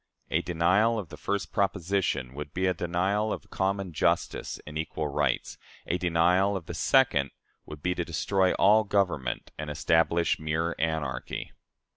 A denial of the first proposition would be a denial of common justice and equal rights; a denial of the second would be to destroy all government and establish mere anarchy.